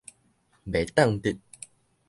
袂當直